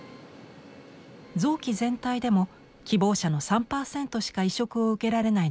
臓器全体でも希望者の３％しか移植を受けられないのが現状です。